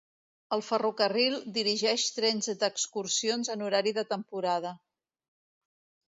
El ferrocarril dirigeix trens d'excursions en horari de temporada.